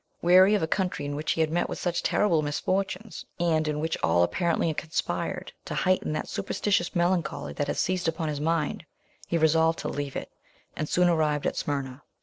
Weary of a country in which he had met with such terrible misfortunes, and in which all apparently conspired to heighten that superstitious melancholy that had seized upon his mind, he resolved to leave it, and soon arrived at Smyrna.